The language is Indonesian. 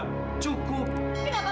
tapi terus kamu menghancurkan semuanya